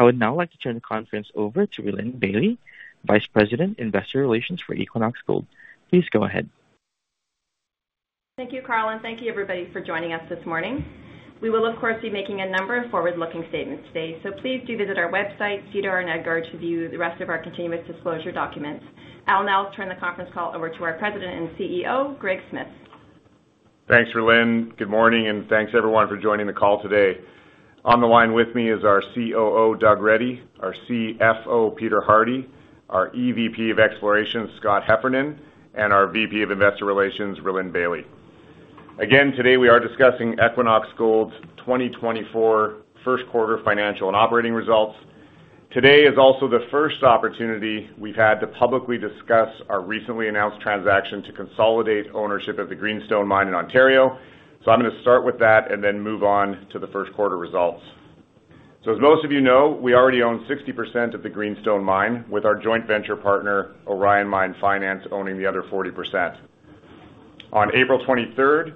I would now like to turn the conference over to Rhylin Bailie, Vice President Investor Relations for Equinox Gold. Please go ahead. Thank you, Carl, and thank you, everybody, for joining us this morning. We will, of course, be making a number of forward-looking statements today, so please do visit our website, SEDAR and EDGAR, to view the rest of our continuous disclosure documents. I will now turn the conference call over to our President and CEO, Greg Smith. Thanks, Rhylin. Good morning, and thanks, everyone, for joining the call today. On the line with me is our COO, Doug Reddy; our CFO, Peter Hardie; our EVP of Exploration, Scott Heffernan; and our VP of Investor Relations, Rhylin Bailie. Again, today we are discussing Equinox Gold's 2024 first-quarter financial and operating results. Today is also the first opportunity we've had to publicly discuss our recently announced transaction to consolidate ownership of the Greenstone Mine in Ontario, so I'm going to start with that and then move on to the first-quarter results. So, as most of you know, we already own 60% of the Greenstone Mine, with our joint venture partner, Orion Mine Finance, owning the other 40%. On April 23rd,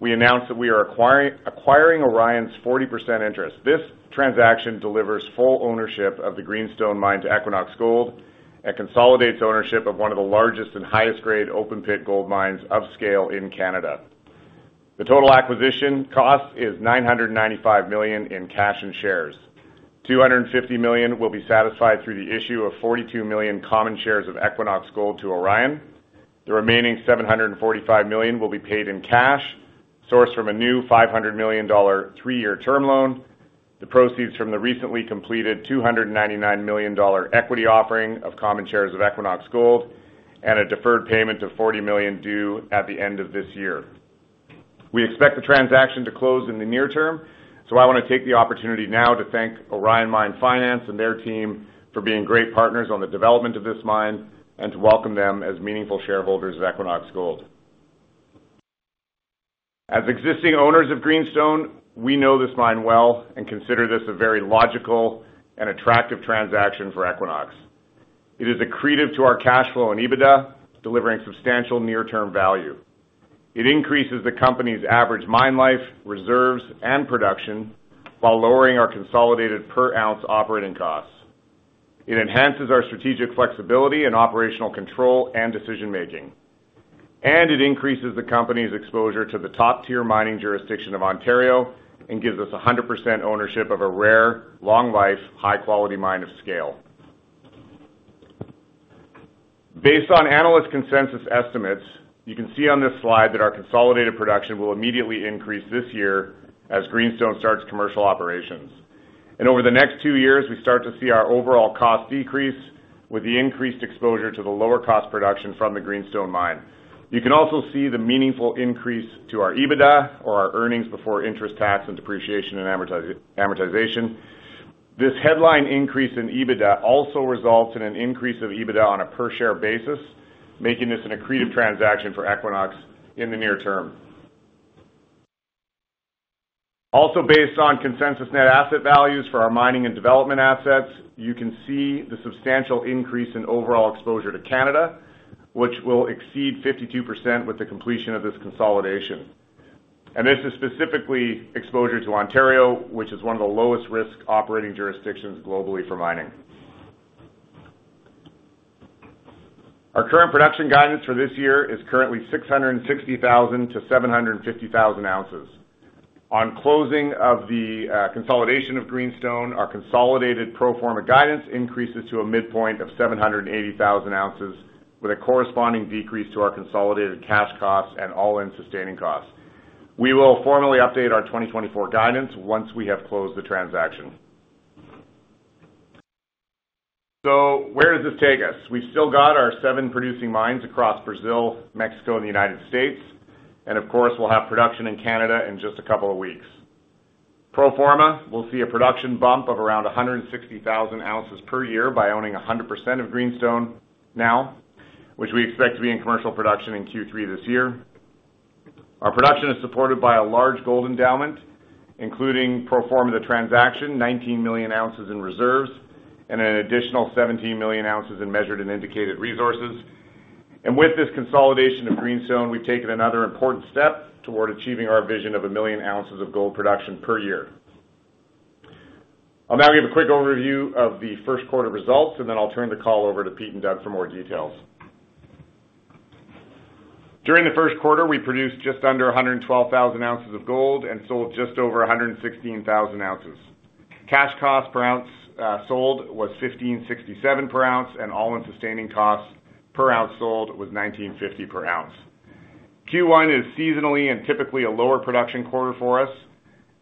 we announced that we are acquiring Orion's 40% interest. This transaction delivers full ownership of the Greenstone Mine to Equinox Gold and consolidates ownership of one of the largest and highest-grade open-pit gold mines of scale in Canada. The total acquisition cost is $995 million in cash and shares. $250 million will be satisfied through the issue of 42 million common shares of Equinox Gold to Orion. The remaining $745 million will be paid in cash, sourced from a new $500 million three-year term loan, the proceeds from the recently completed $299 million equity offering of common shares of Equinox Gold, and a deferred payment of $40 million due at the end of this year. We expect the transaction to close in the near term, so I want to take the opportunity now to thank Orion Mine Finance and their team for being great partners on the development of this mine and to welcome them as meaningful shareholders of Equinox Gold. As existing owners of Greenstone, we know this mine well and consider this a very logical and attractive transaction for Equinox. It is accretive to our cash flow and EBITDA, delivering substantial near-term value. It increases the company's average mine life, reserves, and production while lowering our consolidated per-ounce operating costs. It enhances our strategic flexibility and operational control and decision-making. It increases the company's exposure to the top-tier mining jurisdiction of Ontario and gives us 100% ownership of a rare, long-life, high-quality mine of scale. Based on analyst consensus estimates, you can see on this slide that our consolidated production will immediately increase this year as Greenstone starts commercial operations. Over the next two years, we start to see our overall cost decrease with the increased exposure to the lower-cost production from the Greenstone Mine. You can also see the meaningful increase to our EBITDA, or our earnings before interest tax and depreciation and amortization. This headline increase in EBITDA also results in an increase of EBITDA on a per-share basis, making this an accretive transaction for Equinox in the near term. Also, based on consensus net asset values for our mining and development assets, you can see the substantial increase in overall exposure to Canada, which will exceed 52% with the completion of this consolidation. This is specifically exposure to Ontario, which is one of the lowest-risk operating jurisdictions globally for mining. Our current production guidance for this year is currently 660,000-750,000 ounces. On closing of the consolidation of Greenstone, our consolidated pro forma guidance increases to a midpoint of 780,000 ounces, with a corresponding decrease to our consolidated cash costs and all-in sustaining costs. We will formally update our 2024 guidance once we have closed the transaction. So where does this take us? We've still got our seven producing mines across Brazil, Mexico, and the United States, and of course, we'll have production in Canada in just a couple of weeks. Pro forma, we'll see a production bump of around 160,000 ounces per year by owning 100% of Greenstone now, which we expect to be in commercial production in Q3 this year. Our production is supported by a large gold endowment, including pro forma the transaction, 19 million ounces in reserves, and an additional 17 million ounces in measured and indicated resources. With this consolidation of Greenstone, we've taken another important step toward achieving our vision of 1 million ounces of gold production per year. I'll now give a quick overview of the first-quarter results, and then I'll turn the call over to Pete and Doug for more details. During the first quarter, we produced just under 112,000 ounces of gold and sold just over 116,000 ounces. Cash cost per ounce sold was $1,567 per ounce, and all-in sustaining cost per ounce sold was $1,950 per ounce. Q1 is seasonally and typically a lower production quarter for us.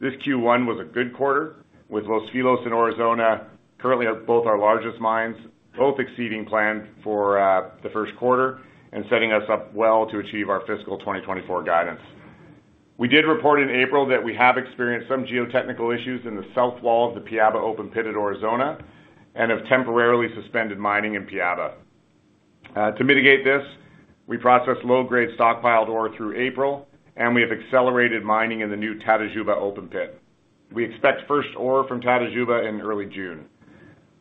This Q1 was a good quarter, with Los Filos and Aurizona currently both our largest mines, both exceeding planned for the first quarter and setting us up well to achieve our fiscal 2024 guidance. We did report in April that we have experienced some geotechnical issues in the south wall of the Piaba open pit, Aurizona, and have temporarily suspended mining in Piaba. To mitigate this, we processed low-grade stockpiled ore through April, and we have accelerated mining in the new Tatajuba open pit. We expect first ore from Tatajuba in early June.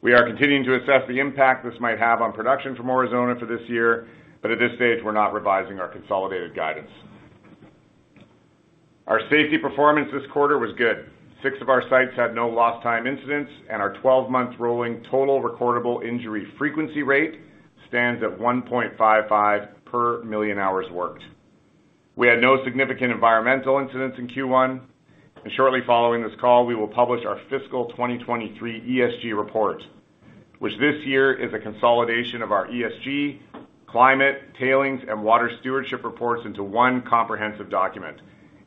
We are continuing to assess the impact this might have on production from Aurizona for this year, but at this stage, we're not revising our consolidated guidance. Our safety performance this quarter was good. Six of our sites had no lost-time incidents, and our 12-month rolling total recordable injury frequency rate stands at 1.55 per million hours worked. We had no significant environmental incidents in Q1. Shortly following this call, we will publish our fiscal 2023 ESG report, which this year is a consolidation of our ESG, climate, tailings, and water stewardship reports into one comprehensive document.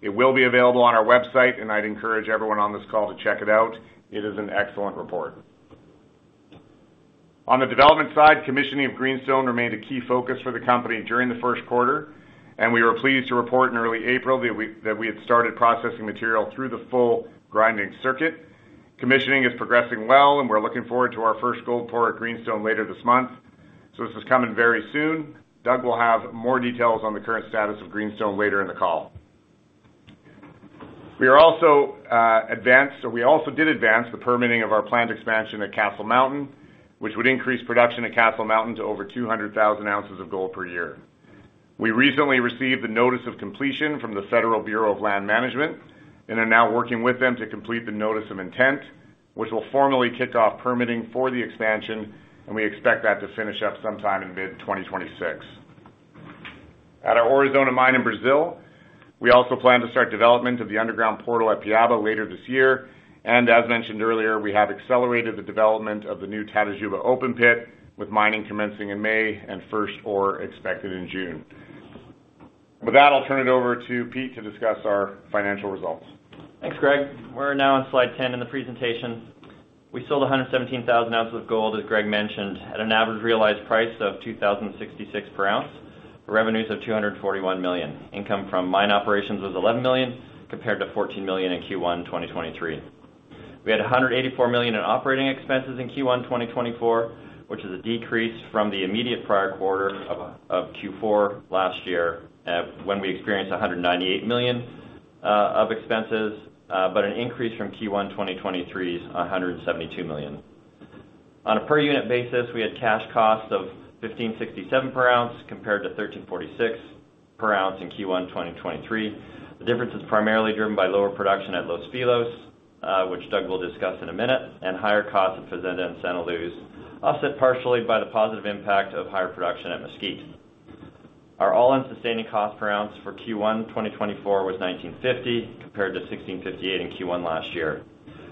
It will be available on our website, and I'd encourage everyone on this call to check it out. It is an excellent report. On the development side, commissioning of Greenstone remained a key focus for the company during the first quarter, and we were pleased to report in early April that we had started processing material through the full grinding circuit. Commissioning is progressing well, and we're looking forward to our first gold pour at Greenstone later this month, so this is coming very soon. Doug will have more details on the current status of Greenstone later in the call. We also advanced the permitting of our planned expansion at Castle Mountain, which would increase production at Castle Mountain to over 200,000 ounces of gold per year. We recently received the notice of completion from the Bureau of Land Management and are now working with them to complete the notice of intent, which will formally kick off permitting for the expansion, and we expect that to finish up sometime in mid-2026. At our Aurizona mine in Brazil, we also plan to start development of the underground portal at Piaba later this year. As mentioned earlier, we have accelerated the development of the new Tatajuba open pit, with mining commencing in May and first ore expected in June. With that, I'll turn it over to Pete to discuss our financial results. Thanks, Greg. We're now on slide 10 in the presentation. We sold 117,000 ounces of gold, as Greg mentioned, at an average realized price of $2,066 per ounce, revenues of $241 million. Income from mine operations was $11 million compared to $14 million in Q1 2023. We had $184 million in operating expenses in Q1 2024, which is a decrease from the immediate prior quarter of Q4 last year when we experienced $198 million of expenses, but an increase from Q1 2023's $172 million. On a per-unit basis, we had cash costs of $1,567 per ounce compared to $1,346 per ounce in Q1 2023. The difference is primarily driven by lower production at Los Filos, which Doug will discuss in a minute, and higher costs at Fazenda and Santa Luz, offset partially by the positive impact of higher production at Mesquite. Our all-in sustaining cost per ounce for Q1 2024 was $1,950 compared to $1,658 in Q1 last year.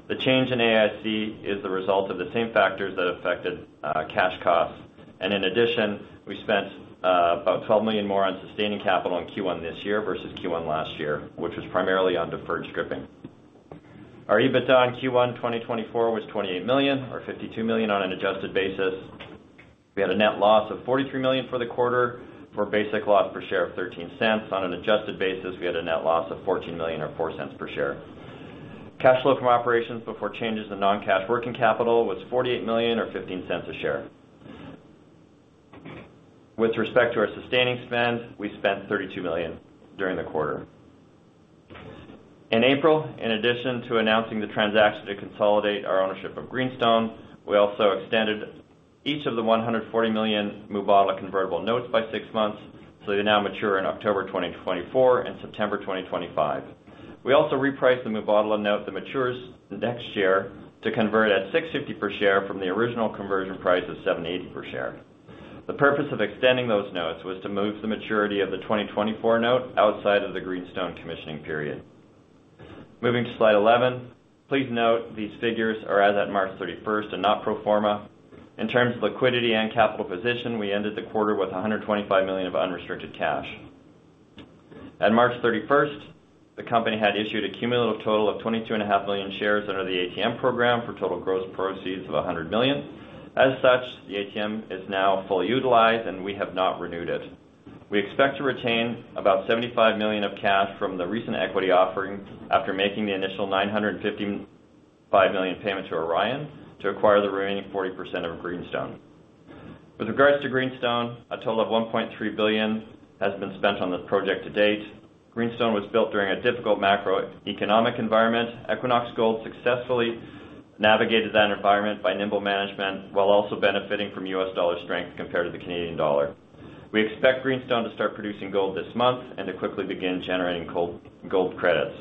The change in AISC is the result of the same factors that affected cash costs. And in addition, we spent about $12 million more on sustaining capital in Q1 this year versus Q1 last year, which was primarily on deferred stripping. Our EBITDA on Q1 2024 was $28 million, or $52 million on an adjusted basis. We had a net loss of $43 million for the quarter for basic loss per share of $0.13. On an adjusted basis, we had a net loss of $14 million, or $0.04, per share. Cash flow from operations before changes in non-cash working capital was $48 million, or $0.15, a share. With respect to our sustaining spend, we spent $32 million during the quarter. In April, in addition to announcing the transaction to consolidate our ownership of Greenstone, we also extended each of the 140 million Mubadala convertible notes by six months, so they now mature in October 2024 and September 2025. We also repriced the Mubadala note that matures next year to convert at 650 per share from the original conversion price of 780 per share. The purpose of extending those notes was to move the maturity of the 2024 note outside of the Greenstone commissioning period. Moving to slide 11, please note these figures are as at March 31st and not pro forma. In terms of liquidity and capital position, we ended the quarter with $125 million of unrestricted cash. At March 31st, the company had issued a cumulative total of 22.5 million shares under the ATM program for total gross proceeds of $100 million. As such, the ATM is now fully utilized, and we have not renewed it. We expect to retain about $75 million of cash from the recent equity offering after making the initial $955 million payment to Orion to acquire the remaining 40% of Greenstone. With regards to Greenstone, a total of $1.3 billion has been spent on this project to date. Greenstone was built during a difficult macroeconomic environment. Equinox Gold successfully navigated that environment by nimble management while also benefiting from U.S. dollar strength compared to the Canadian dollar. We expect Greenstone to start producing gold this month and to quickly begin generating gold credits.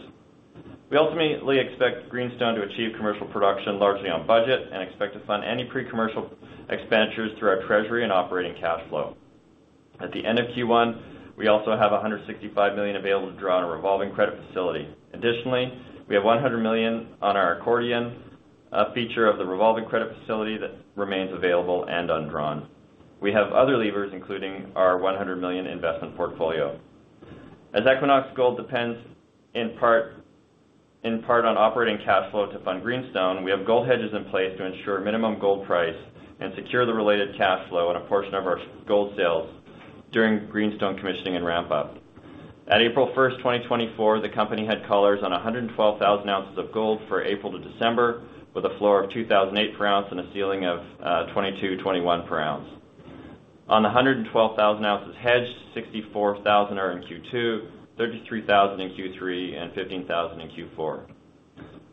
We ultimately expect Greenstone to achieve commercial production largely on budget and expect to fund any pre-commercial expenditures through our treasury and operating cash flow. At the end of Q1, we also have $165 million available to draw on a revolving credit facility. Additionally, we have $100 million on our accordion feature of the revolving credit facility that remains available and undrawn. We have other levers, including our $100 million investment portfolio. As Equinox Gold depends in part on operating cash flow to fund Greenstone, we have gold hedges in place to ensure minimum gold price and secure the related cash flow and a portion of our gold sales during Greenstone commissioning and ramp-up. At April 1st, 2024, the company had collars on 112,000 ounces of gold for April to December, with a floor of $2,008 per ounce and a ceiling of $2,221 per ounce. On the 112,000 ounces hedged, 64,000 are in Q2, 33,000 in Q3, and 15,000 in Q4.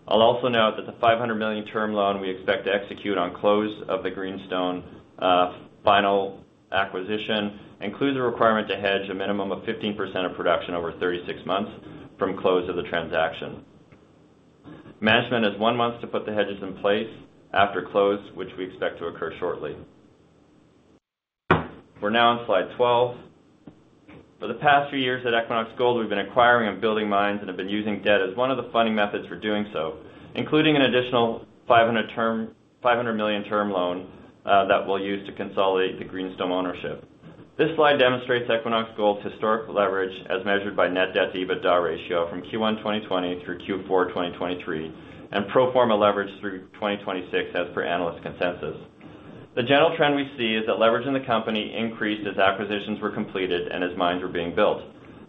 I'll also note that the $500 million term loan we expect to execute on close of the Greenstone final acquisition includes a requirement to hedge a minimum of 15% of production over 36 months from close of the transaction. Management has one month to put the hedges in place after close, which we expect to occur shortly. We're now on slide 12. For the past few years at Equinox Gold, we've been acquiring and building mines and have been using debt as one of the funding methods for doing so, including an additional $500 million term loan that we'll use to consolidate the Greenstone ownership. This slide demonstrates Equinox Gold's historic leverage as measured by net debt to EBITDA ratio from Q1 2020 through Q4 2023 and pro forma leverage through 2026 as per analyst consensus. The general trend we see is that leverage in the company increased as acquisitions were completed and as mines were being built.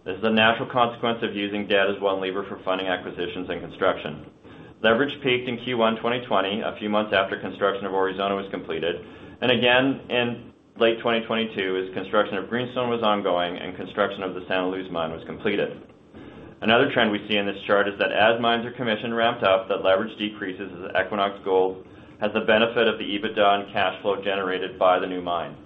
This is a natural consequence of using debt as one lever for funding acquisitions and construction. Leverage peaked in Q1 2020, a few months after construction of Aurizona was completed, and again in late 2022 as construction of Greenstone was ongoing and construction of the Santa Luz mine was completed. Another trend we see in this chart is that as mines are commissioned, ramped up, that leverage decreases as Equinox Gold has the benefit of the EBITDA and cash flow generated by the new mine.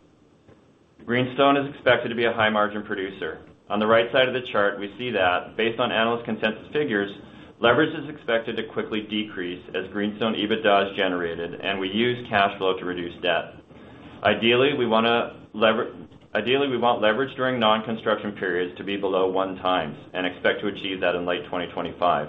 Greenstone is expected to be a high-margin producer. On the right side of the chart, we see that, based on analyst consensus figures, leverage is expected to quickly decrease as Greenstone EBITDA is generated, and we use cash flow to reduce debt. Ideally, we want leverage during non-construction periods to be below 1x and expect to achieve that in late 2025.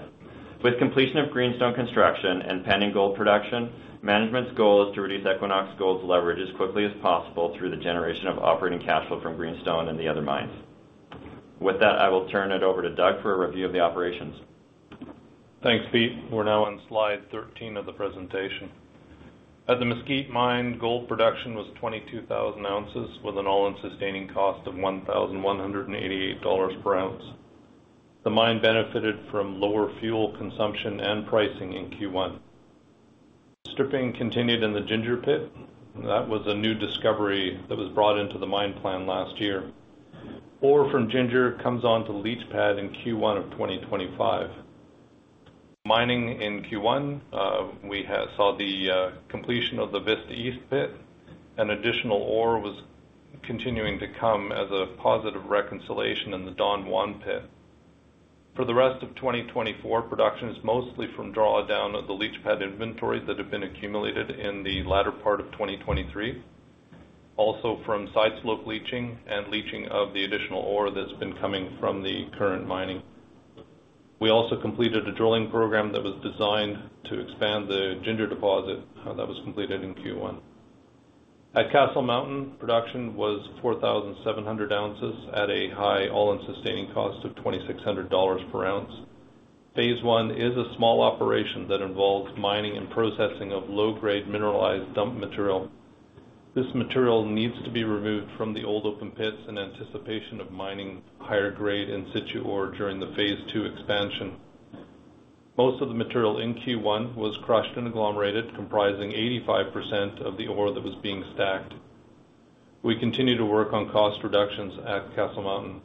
With completion of Greenstone construction and pending gold production, management's goal is to reduce Equinox Gold's leverage as quickly as possible through the generation of operating cash flow from Greenstone and the other mines. With that, I will turn it over to Doug for a review of the operations. Thanks, Pete. We're now on slide 13 of the presentation. At the Mesquite Mine, gold production was 22,000 ounces with an all-in sustaining cost of $1,188 per ounce. The mine benefited from lower fuel consumption and pricing in Q1. Stripping continued in the Ginger pit. That was a new discovery that was brought into the mine plan last year. Ore from Ginger comes on to Leach Pad in Q1 of 2025. Mining in Q1, we saw the completion of the Vista East pit. An additional ore was continuing to come as a positive reconciliation in the Don Juan pit. For the rest of 2024, production is mostly from drawdown of the Leach Pad inventory that had been accumulated in the latter part of 2023, also from site slope leaching and leaching of the additional ore that's been coming from the current mining. We also completed a drilling program that was designed to expand the Ginger deposit that was completed in Q1. At Castle Mountain, production was 4,700 ounces at a high All-in Sustaining Cost of $2,600 per ounce, phase I is a small operation that involves mining and processing of low-grade mineralized dump material. This material needs to be removed from the old open pits in anticipation of mining higher-grade in situ ore during the phase II expansion. Most of the material in Q1 was crushed and agglomerated, comprising 85% of the ore that was being stacked. We continue to work on cost reductions at Castle Mountain.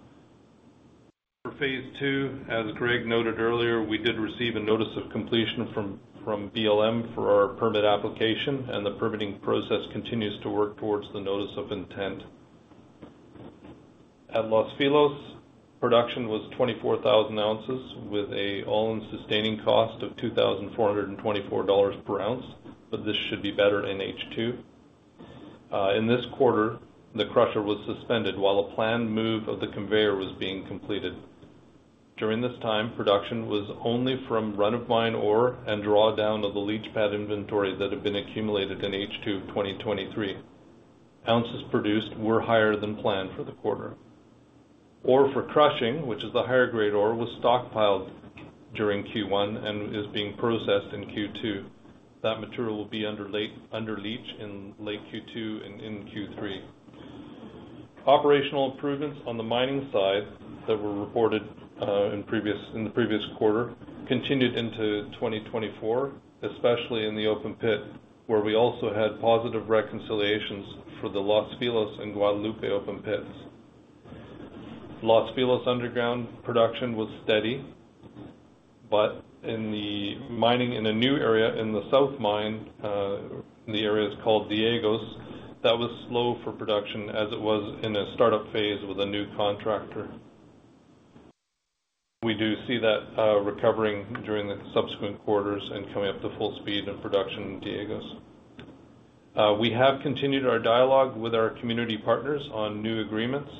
For phase II, as Greg noted earlier, we did receive a notice of completion from BLM for our permit application, and the permitting process continues to work towards the notice of intent. At Los Filos, production was 24,000 ounces with an All-in Sustaining Cost of $2,424 per ounce, but this should be better in H2. In this quarter, the crusher was suspended while a planned move of the conveyor was being completed. During this time, production was only from run-of-mine ore and drawdown of the Leach Pad inventory that had been accumulated in H2 2023. Ounces produced were higher than planned for the quarter. Ore for crushing, which is the higher-grade ore, was stockpiled during Q1 and is being processed in Q2. That material will be under leach in late Q2 and in Q3. Operational improvements on the mining side that were reported in the previous quarter continued into 2024, especially in the open pit, where we also had positive reconciliations for the Los Filos and Guadalupe open pits. Los Filos underground production was steady, but in the mining in a new area in the south mine, the area is called Diegos, that was slow for production as it was in a startup phase with a new contractor. We do see that recovering during the subsequent quarters and coming up to full speed in production in Diegos. We have continued our dialogue with our community partners on new agreements,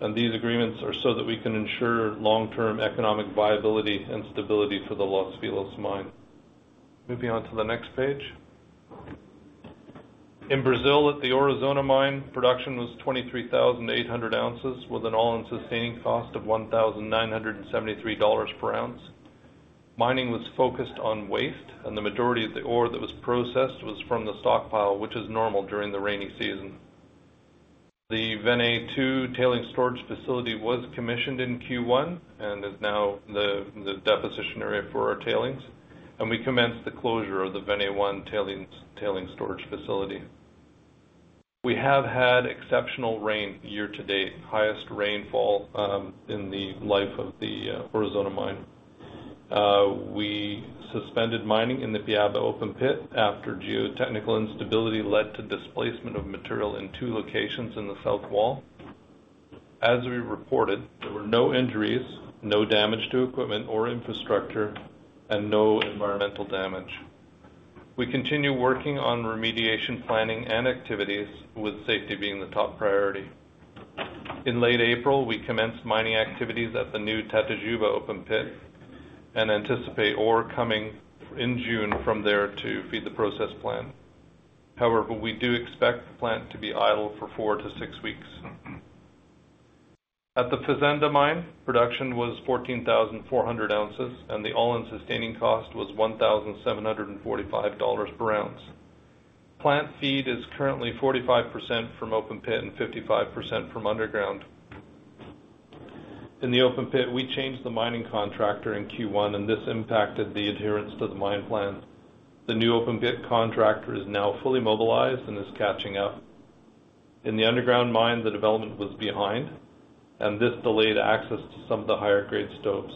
and these agreements are so that we can ensure long-term economic viability and stability for the Los Filos mine. Moving on to the next page. In Brazil, at the Aurizona mine, production was 23,800 ounces with an All-in Sustaining Cost of $1,973 per ounce. Mining was focused on waste, and the majority of the ore that was processed was from the stockpile, which is normal during the rainy season. The Vené 2 tailings storage facility was commissioned in Q1 and is now the deposition area for our tailings, and we commenced the closure of the Vené 1 tailings storage facility. We have had exceptional rain year to date, highest rainfall in the life of the Aurizona Mine. We suspended mining in the Piaba open pit after geotechnical instability led to displacement of material in two locations in the south wall. As we reported, there were no injuries, no damage to equipment or infrastructure, and no environmental damage. We continue working on remediation planning and activities, with safety being the top priority. In late April, we commenced mining activities at the new Tatajuba open pit and anticipate ore coming in June from there to feed the process plant. However, we do expect the plant to be idle for four to six weeks. At the Fazenda Mine, production was 14,400 ounces, and the all-in sustaining cost was $1,745 per ounce. Plant feed is currently 45% from open pit and 55% from underground. In the open pit, we changed the mining contractor in Q1, and this impacted the adherence to the mine plan. The new open pit contractor is now fully mobilized and is catching up. In the underground mine, the development was behind, and this delayed access to some of the higher-grade stopes.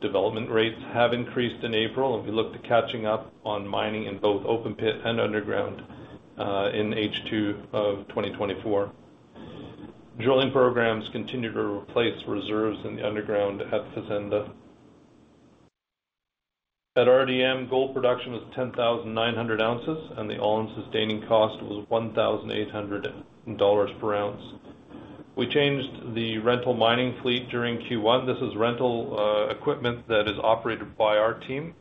Development rates have increased in April, and we look to catching up on mining in both open pit and underground in H2 of 2024. Drilling programs continue to replace reserves in the underground at the Fazenda Mine. At RDM, gold production was 10,900 ounces, and the all-in sustaining cost was $1,800 per ounce. We changed the rental mining fleet during Q1. This is rental equipment that is operated by our team.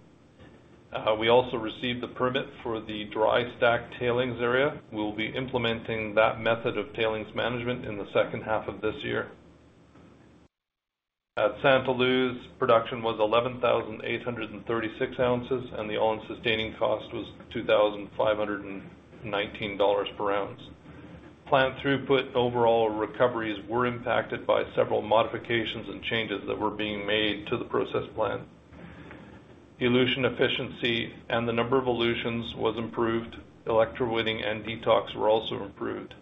We also received the permit for the dry stack tailings area. We'll be implementing that method of tailings management in the second half of this year. At Santa Luz, production was 11,836 ounces, and the all-in sustaining cost was $2,519 per ounce. Plant throughput overall recoveries were impacted by several modifications and changes that were being made to the process plan. Elution efficiency and the number of elutions was improved. Electrowinning and detox were also improved.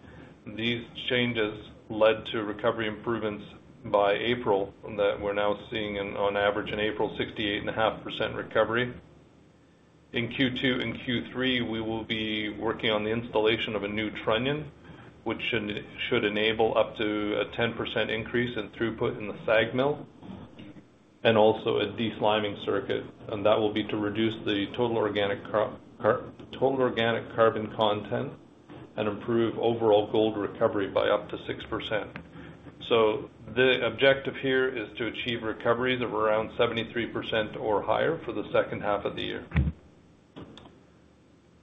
These changes led to recovery improvements by April that we're now seeing, on average, an overall 68.5% recovery. In Q2 and Q3, we will be working on the installation of a new trunnion, which should enable up to a 10% increase in throughput in the SAG mill and also a desliming circuit. That will be to reduce the total organic carbon content and improve overall gold recovery by up to 6%. The objective here is to achieve recoveries of around 73% or higher for the second half of the year.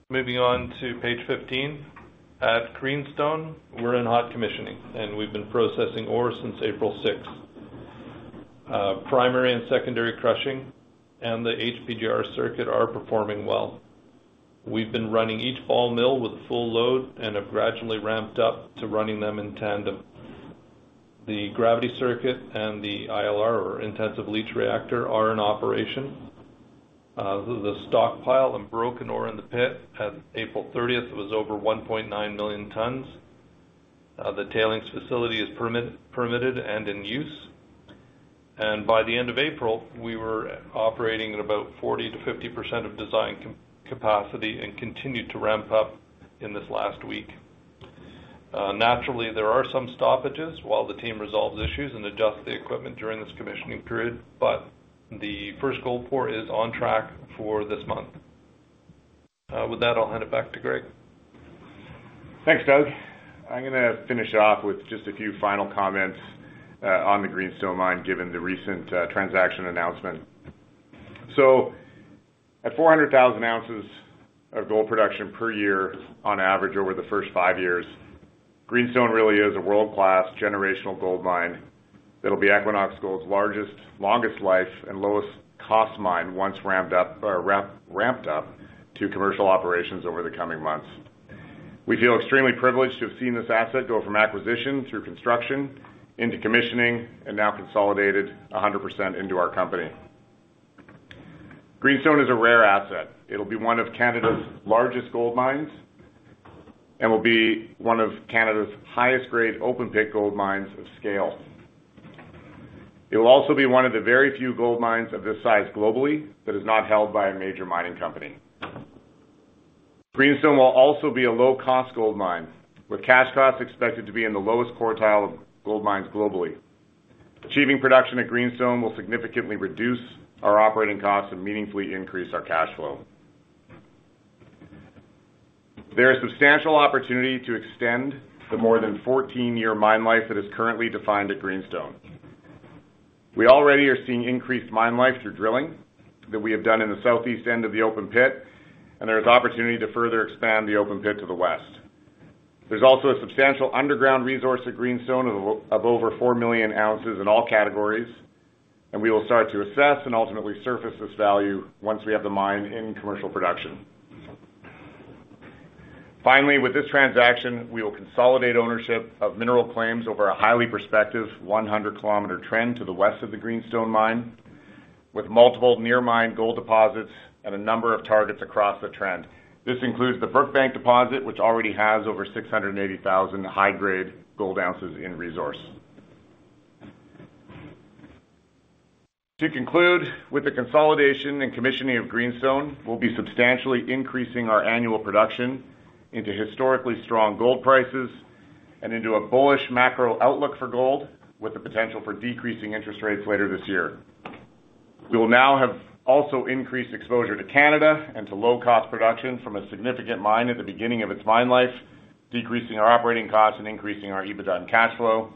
Moving on to page 15. At Greenstone, we're in hot commissioning, and we've been processing ore since April 6th. Primary and secondary crushing and the HPGR circuit are performing well. We've been running each ball mill with full load and have gradually ramped up to running them in tandem. The gravity circuit and the ILR, or intensive leach reactor, are in operation. The stockpile and broken ore in the pit at April 30th was over 1.9 million tons. The tailings facility is permitted and in use. By the end of April, we were operating at about 40%-50% of design capacity and continued to ramp up in this last week. Naturally, there are some stoppages while the team resolves issues and adjusts the equipment during this commissioning period, but the first goal for is on track for this month. With that, I'll hand it back to Greg. Thanks, Doug. I'm going to finish off with just a few final comments on the Greenstone Mine given the recent transaction announcement. So at 400,000 ounces of gold production per year on average over the first five years, Greenstone really is a world-class generational gold mine that'll be Equinox Gold's largest, longest life, and lowest cost mine once ramped up to commercial operations over the coming months. We feel extremely privileged to have seen this asset go from acquisition through construction into commissioning and now consolidated 100% into our company. Greenstone is a rare asset. It'll be one of Canada's largest gold mines and will be one of Canada's highest-grade open pit gold mines of scale. It will also be one of the very few gold mines of this size globally that is not held by a major mining company. Greenstone will also be a low-cost gold mine with cash costs expected to be in the lowest quartile of gold mines globally. Achieving production at Greenstone will significantly reduce our operating costs and meaningfully increase our cash flow. There is substantial opportunity to extend the more than 14-year mine life that is currently defined at Greenstone. We already are seeing increased mine life through drilling that we have done in the southeast end of the open pit, and there is opportunity to further expand the open pit to the west. There's also a substantial underground resource at Greenstone of over 4 million ounces in all categories, and we will start to assess and ultimately surface this value once we have the mine in commercial production. Finally, with this transaction, we will consolidate ownership of mineral claims over a highly prospective 100 km trend to the west of the Greenstone Mine with multiple near-mine gold deposits and a number of targets across the trend. This includes the Brookbank deposit, which already has over 680,000 high-grade gold ounces in resource. To conclude, with the consolidation and commissioning of Greenstone, we'll be substantially increasing our annual production into historically strong gold prices and into a bullish macro outlook for gold with the potential for decreasing interest rates later this year. We will now have also increased exposure to Canada and to low-cost production from a significant mine at the beginning of its mine life, decreasing our operating costs and increasing our EBITDA and cash flow.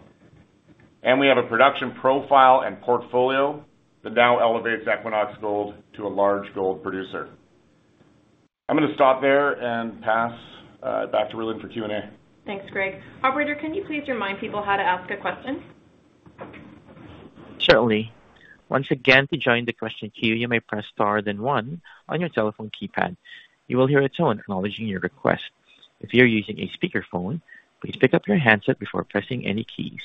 And we have a production profile and portfolio that now elevates Equinox Gold to a large gold producer. I'm going to stop there and pass back to Rhylin for Q&A. Thanks, Greg. Operator, can you please remind people how to ask a question? Certainly. Once again, to join the question queue, you may press star then one on your telephone keypad. You will hear a tone acknowledging your request. If you're using a speakerphone, please pick up your handset before pressing any keys.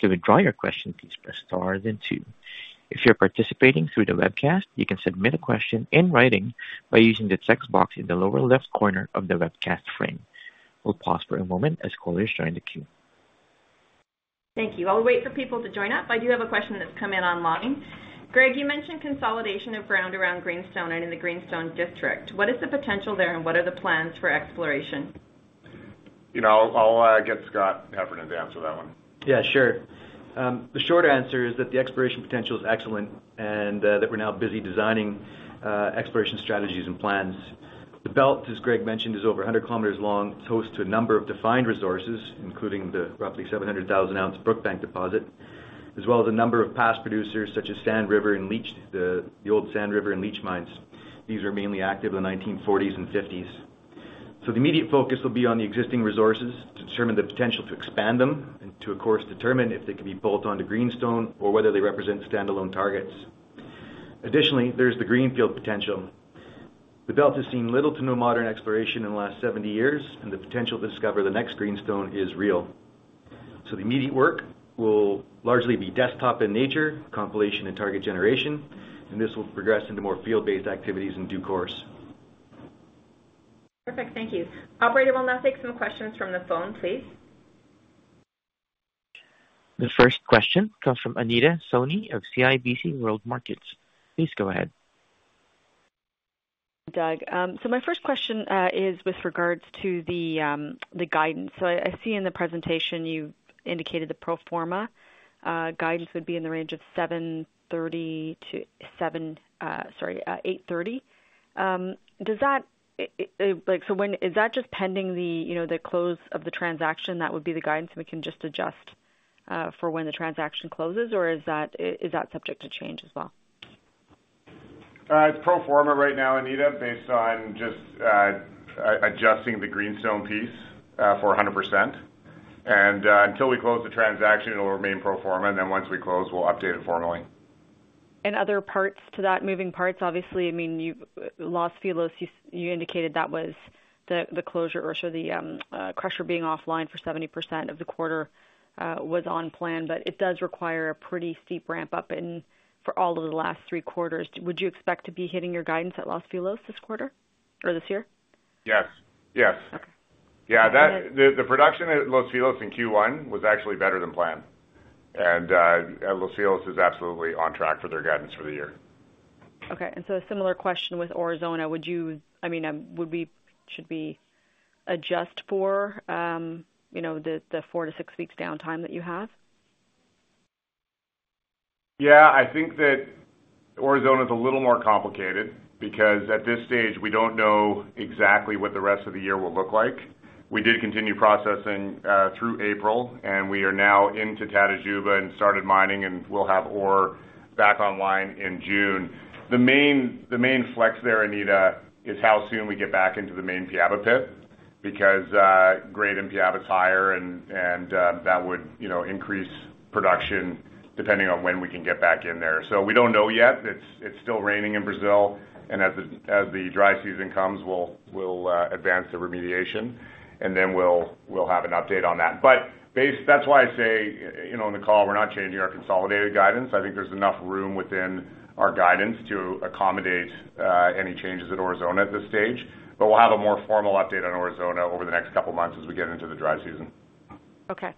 To withdraw your question, please press star then two. If you're participating through the webcast, you can submit a question in writing by using the text box in the lower left corner of the webcast frame. We'll pause for a moment as callers join the queue. Thank you. I'll wait for people to join up. I do have a question that's come in online. Greg, you mentioned consolidation of ground around Greenstone and in the Greenstone district. What is the potential there, and what are the plans for exploration? I'll get Scott Heffernan to answer that one. Yeah, sure. The short answer is that the exploration potential is excellent and that we're now busy designing exploration strategies and plans. The belt, as Greg mentioned, is over 100 km long. It's host to a number of defined resources, including the roughly 700,000-ounce Brookbank deposit, as well as a number of past producers such as Sand River and Leitch, the old Sand River and Leitch mines. These were mainly active in the 1940s and 1950s. So the immediate focus will be on the existing resources to determine the potential to expand them and, of course, determine if they can be pulled onto Greenstone or whether they represent standalone targets. Additionally, there's the greenfield potential. The belt has seen little to no modern exploration in the last 70 years, and the potential to discover the next Greenstone is real. The immediate work will largely be desktop in nature, compilation, and target generation, and this will progress into more field-based activities in due course. Perfect. Thank you. Operator, we'll now take some questions from the phone, please. The first question comes from Anita Soni of CIBC World Markets. Please go ahead. Doug, my first question is with regards to the guidance. I see in the presentation you've indicated the pro forma guidance would be in the range of 730 to 700—sorry, 830. Is that just pending the close of the transaction? That would be the guidance, and we can just adjust for when the transaction closes, or is that subject to change as well? It's pro forma right now, Anita, based on just adjusting the Greenstone piece for 100%. Until we close the transaction, it'll remain pro forma, and then once we close, we'll update it formally. Other parts to that, moving parts, obviously. I mean, Los Filos, you indicated that was the closure, or sorry, the crusher being offline for 70% of the quarter was on plan, but it does require a pretty steep ramp-up for all of the last three quarters. Would you expect to be hitting your guidance at Los Filos this quarter or this year? Yes. Yeah, the production at Los Filos in Q1 was actually better than planned, and Los Filos is absolutely on track for their guidance for the year. Okay. And so a similar question with Aurizona. I mean, should we adjust for the four to six weeks downtime that you have? Yeah, I think that Aurizona is a little more complicated because at this stage, we don't know exactly what the rest of the year will look like. We did continue processing through April, and we are now into Tatajuba and started mining, and we'll have ore back online in June. The main flex there, Anita, is how soon we get back into the main Piaba pit because grade in Piaba is higher, and that would increase production depending on when we can get back in there. So we don't know yet. It's still raining in Brazil, and as the dry season comes, we'll advance the remediation, and then we'll have an update on that. But that's why I say in the call, we're not changing our consolidated guidance. I think there's enough room within our guidance to accommodate any changes at Aurizona at this stage, but we'll have a more formal update on Aurizona over the next couple of months as we get into the dry season. Okay.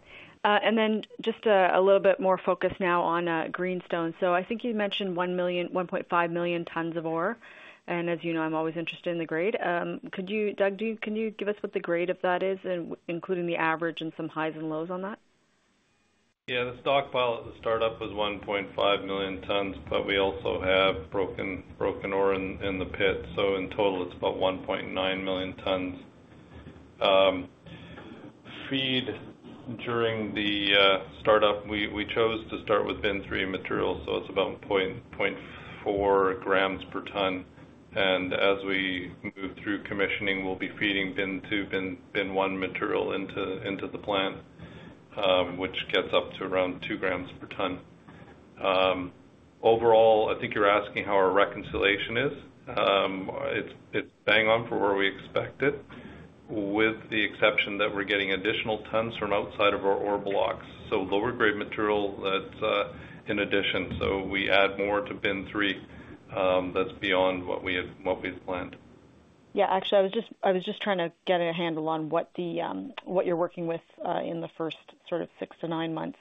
And then just a little bit more focus now on Greenstone. So I think you mentioned 1.5 million tons of ore, and as you know, I'm always interested in the grade. Doug, can you give us what the grade of that is, including the average and some highs and lows on that? Yeah, the stockpile at the startup was 1.5 million tons, but we also have broken ore in the pit, so in total, it's about 1.9 million tons. Feed during the startup, we chose to start with Bin 3 material, so it's about 0.4 grams per ton. And as we move through commissioning, we'll be feeding Bin 2, Bin 1 material into the plant, which gets up to around 2 grams per ton. Overall, I think you're asking how our reconciliation is. It's bang on for where we expect it, with the exception that we're getting additional tons from outside of our ore blocks. So lower-grade material, that's in addition. So we add more to Bin 3 that's beyond what we've planned. Yeah, actually, I was just trying to get a handle on what you're working with in the first sort of six to nine months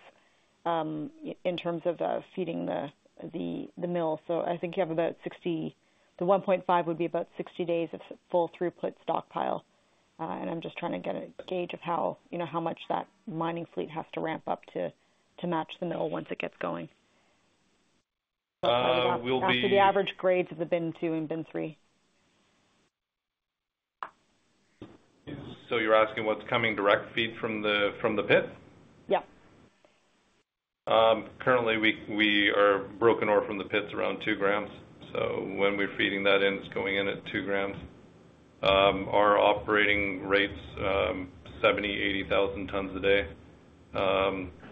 in terms of feeding the mill. So I think you have about 60, the 1.5 would be about 60 days of full throughput stockpile, and I'm just trying to get a gauge of how much that mining fleet has to ramp up to match the mill once it gets going. So that's the average grades of the Bin 2 and Bin 3. You're asking what's coming direct feed from the pit? Yep. Currently, we're breaking ore from the pits around 2 grams. So when we're feeding that in, it's going in at 2 grams. Our operating rates, 70,000-80,000 tons a day.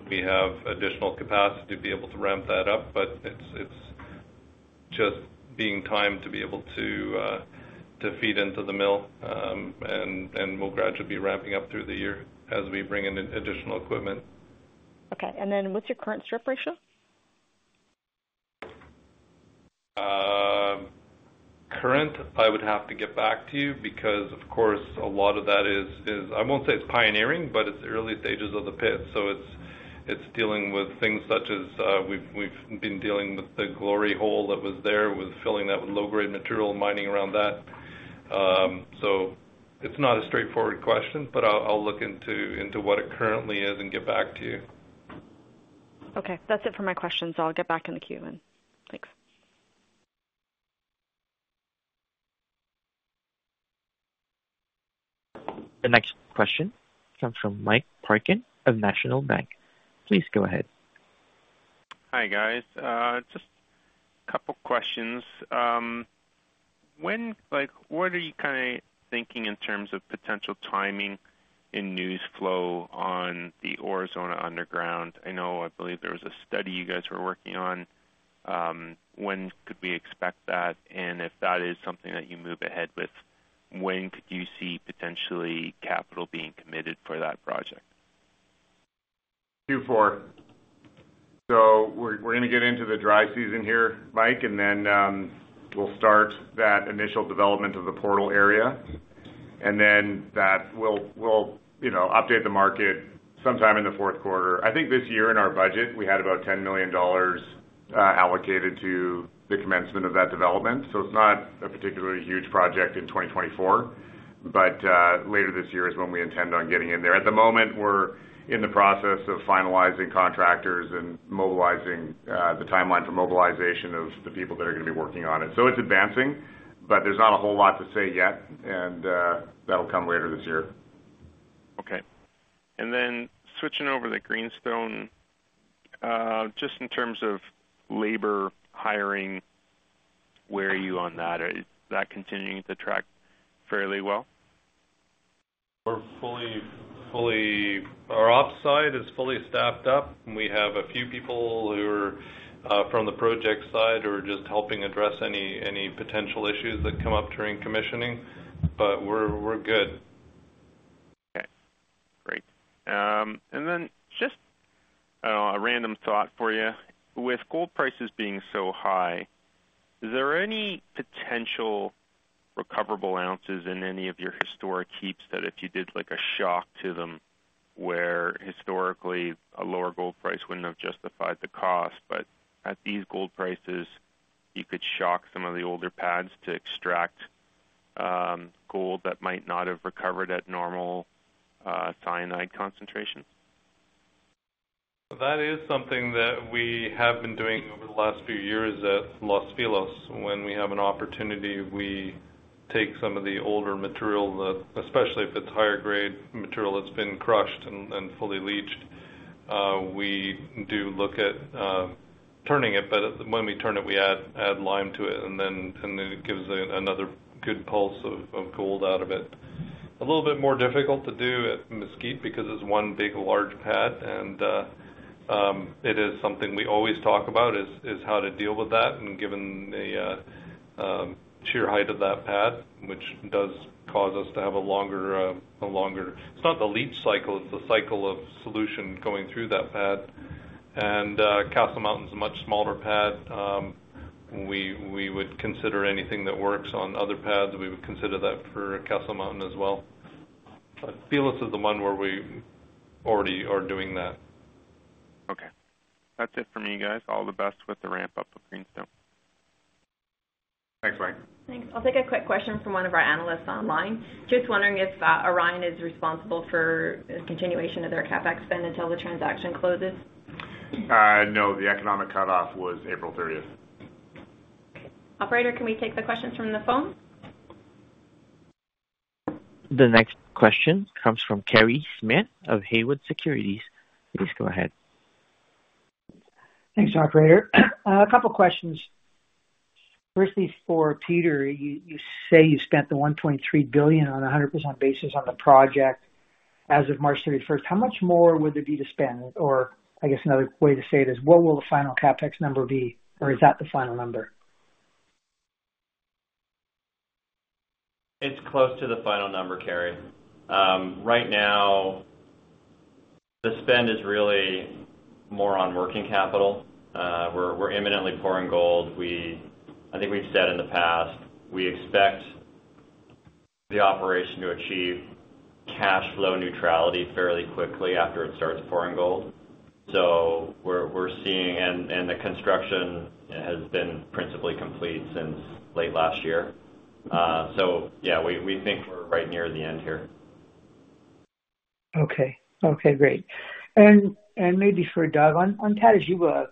We have additional capacity to be able to ramp that up, but it's just being timed to be able to feed into the mill, and we'll gradually be ramping up through the year as we bring in additional equipment. Okay. And then what's your current strip ratio? Currently, I would have to get back to you because, of course, a lot of that is I won't say it's pioneering, but it's the early stages of the pit. So it's dealing with things such as we've been dealing with the glory hole that was there, filling that with low-grade material, mining around that. So it's not a straightforward question, but I'll look into what it currently is and get back to you. Okay. That's it for my questions. I'll get back in the queue then. Thanks. The next question comes from Mike Parkin of National Bank. Please go ahead. Hi, guys. Just a couple of questions. What are you kind of thinking in terms of potential timing in news flow on the Aurizona underground? I believe there was a study you guys were working on. When could we expect that? And if that is something that you move ahead with, when could you see potentially capital being committed for that project? So we're going to get into the dry season here, Mike, and then we'll start that initial development of the portal area, and then we'll update the market sometime in the fourth quarter. I think this year in our budget, we had about $10 million allocated to the commencement of that development. So it's not a particularly huge project in 2024, but later this year is when we intend on getting in there. At the moment, we're in the process of finalizing contractors and mobilizing the timeline for mobilization of the people that are going to be working on it. So it's advancing, but there's not a whole lot to say yet, and that'll come later this year. Okay. And then switching over to Greenstone, just in terms of labor hiring, where are you on that? Is that continuing to track fairly well? Our op side is fully staffed up. We have a few people who are from the project side who are just helping address any potential issues that come up during commissioning, but we're good. Okay. Great. And then just a random thought for you. With gold prices being so high, is there any potential recoverable ounces in any of your historic heaps that if you did a shock to them where historically, a lower gold price wouldn't have justified the cost, but at these gold prices, you could shock some of the older pads to extract gold that might not have recovered at normal cyanide concentrations? That is something that we have been doing over the last few years at Los Filos. When we have an opportunity, we take some of the older material, especially if it's higher-grade material that's been crushed and fully leached. We do look at turning it, but when we turn it, we add lime to it, and then it gives another good pulse of gold out of it. A little bit more difficult to do at Mesquite because it's one big large pad, and it is something we always talk about is how to deal with that. And given the sheer height of that pad, which does cause us to have a longer it's not the leach cycle. It's the cycle of solution going through that pad. And Castle Mountain's a much smaller pad. We would consider anything that works on other pads. We would consider that for Castle Mountain as well. But Los Filos is the one where we already are doing that. Okay. That's it from you guys. All the best with the ramp-up of Greenstone. Thanks, Mike. Thanks. I'll take a quick question from one of our analysts online. Just wondering if Orion is responsible for the continuation of their CapEx spend until the transaction closes? No, the economic cutoff was April 30th. Operator, can we take the questions from the phone? The next question comes from Kerry Smith of Haywood Securities. Please go ahead. Thanks, Operator. A couple of questions. First, these for Peter. You say you spent the $1.3 billion on a 100% basis on the project as of March 31st. How much more would there be to spend? Or I guess another way to say it is, what will the final CapEx number be, or is that the final number? It's close to the final number, Kerry. Right now, the spend is really more on working capital. We're imminently pouring gold. I think we've said in the past, we expect the operation to achieve cash flow neutrality fairly quickly after it starts pouring gold. So we're seeing and the construction has been principally complete since late last year. So yeah, we think we're right near the end here. Okay. Okay. Great. And maybe for Doug, on Tatajuba,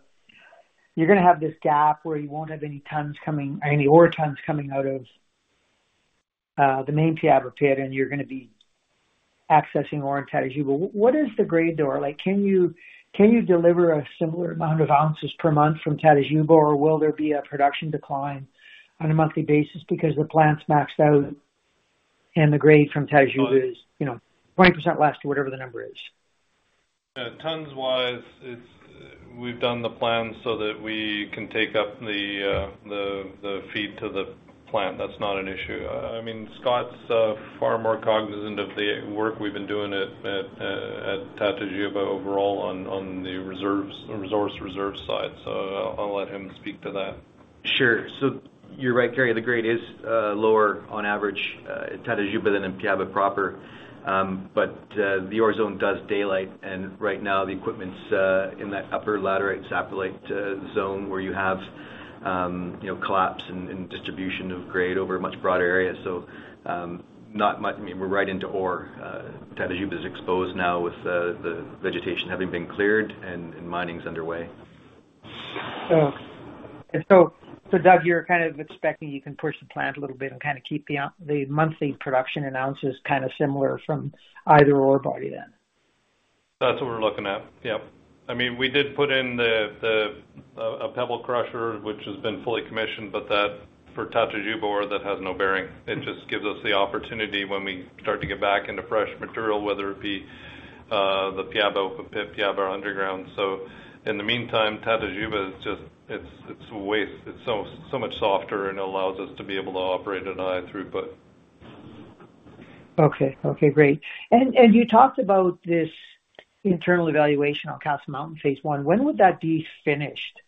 you're going to have this gap where you won't have any tons coming ore tons coming out of the main Piaba pit, and you're going to be accessing ore in Tatajuba. What is the grade there? Can you deliver a similar amount of ounces per month from Tatajuba, or will there be a production decline on a monthly basis because the plant's maxed out and the grade from Tatajuba is 20% less to whatever the number is? Tons-wise, we've done the plans so that we can take up the feed to the plant. That's not an issue. I mean, Scott's far more cognizant of the work we've been doing at Tatajuba overall on the resource reserve side, so I'll let him speak to that. Sure. So you're right, Kerry. The grade is lower on average at Tatajuba than in Piaba proper, but the Aurizona does daylight. And right now, the equipment's in that upper laterite saprolite zone where you have collapse and distribution of grade over a much broader area. So not much I mean, we're right into ore. Tatajuba is exposed now with the vegetation having been cleared and mining's underway. So Doug, you're kind of expecting you can push the plant a little bit and kind of keep the monthly production in ounces kind of similar from either ore body then? That's what we're looking at. Yep. I mean, we did put in a pebble crusher, which has been fully commissioned, but for Tatajuba, that has no bearing. It just gives us the opportunity when we start to get back into fresh material, whether it be the Piaba open pit, Piaba underground. So in the meantime, Tatajuba, it's waste. It's so much softer, and it allows us to be able to operate at a high throughput. Okay. Okay. Great. And you talked about this internal evaluation on Castle Mountain phase I. When would that be finished?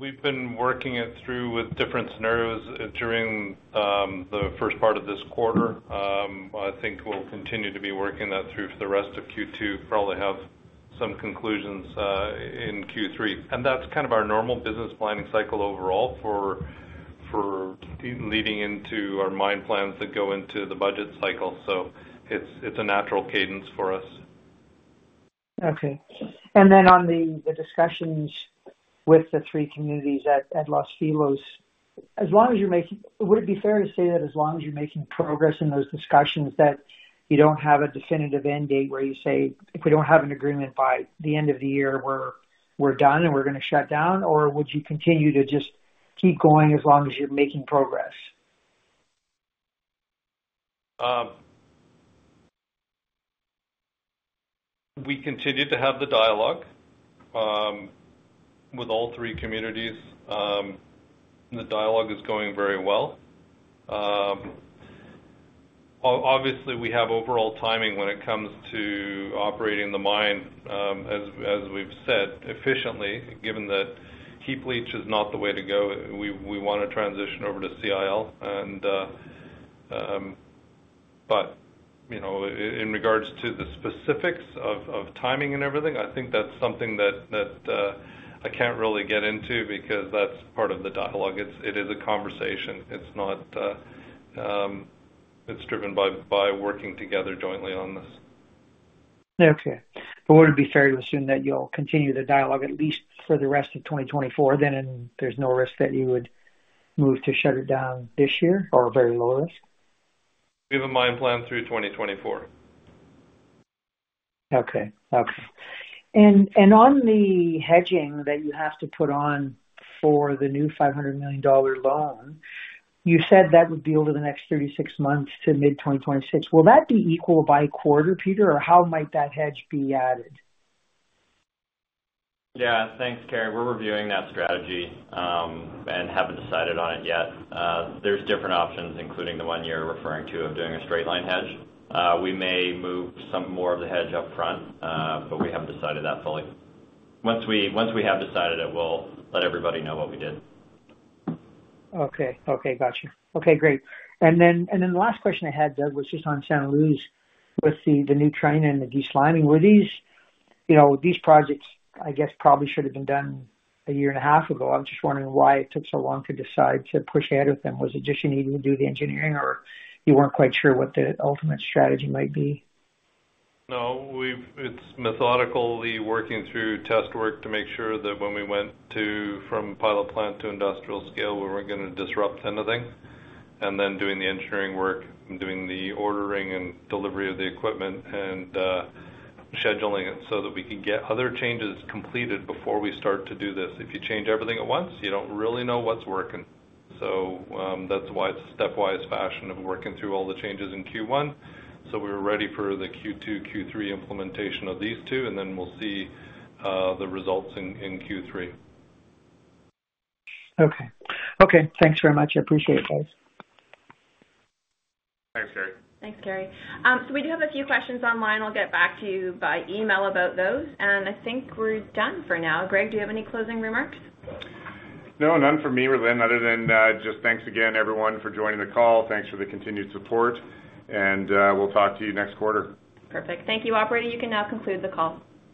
We've been working it through with different scenarios during the first part of this quarter. I think we'll continue to be working that through for the rest of Q2, probably have some conclusions in Q3. And that's kind of our normal business planning cycle overall for leading into our mine plans that go into the budget cycle. So it's a natural cadence for us. Okay. And then on the discussions with the three communities at Los Filos, would it be fair to say that as long as you're making progress in those discussions, that you don't have a definitive end date where you say, "If we don't have an agreement by the end of the year, we're done and we're going to shut down," or would you continue to just keep going as long as you're making progress? We continue to have the dialogue with all three communities. The dialogue is going very well. Obviously, we have overall timing when it comes to operating the mine, as we've said, efficiently. Given that heap leach is not the way to go, we want to transition over to CIL. But in regards to the specifics of timing and everything, I think that's something that I can't really get into because that's part of the dialogue. It is a conversation. It's driven by working together jointly on this. Okay. But would it be fair to assume that you'll continue the dialogue at least for the rest of 2024, then there's no risk that you would move to shut it down this year or very low risk? We have a mine plan through 2024. Okay. Okay. On the hedging that you have to put on for the new $500 million loan, you said that would be over the next 36 months to mid-2026. Will that be equal by quarter, Peter, or how might that hedge be added? Yeah. Thanks, Kerry. We're reviewing that strategy and haven't decided on it yet. There's different options, including the one you're referring to of doing a straight-line hedge. We may move some more of the hedge upfront, but we haven't decided that fully. Once we have decided it, we'll let everybody know what we did. Okay. Okay. Gotcha. Okay. Great. And then the last question I had, Doug, was just on Santa Luz with the new trunnion and the deslining. Were these projects, I guess, probably should have been done a year and a half ago? I'm just wondering why it took so long to decide to push ahead with them. Was it just you needed to do the engineering, or you weren't quite sure what the ultimate strategy might be? No, it's methodically working through test work to make sure that when we went from pilot plant to industrial scale, we weren't going to disrupt anything. Then doing the engineering work, doing the ordering and delivery of the equipment, and scheduling it so that we can get other changes completed before we start to do this. If you change everything at once, you don't really know what's working. So that's why it's a stepwise fashion of working through all the changes in Q1. So we're ready for the Q2, Q3 implementation of these two, and then we'll see the results in Q3. Okay. Okay. Thanks very much. I appreciate it, guys. Thanks, Kerry. Thanks, Kerry. We do have a few questions online. I'll get back to you by email about those. I think we're done for now. Greg, do you have any closing remarks? No, none for me, Rhylin, other than just thanks again, everyone, for joining the call. Thanks for the continued support, and we'll talk to you next quarter. Perfect. Thank you, Operator. You can now conclude the call.